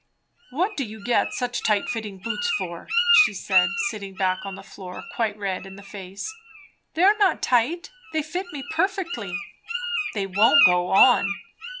"What do you get such tight fitting boots for?" she said, sitting back on the floor, quite red in the face. "They are not tight; they fit me perfectly." "They won't go on!"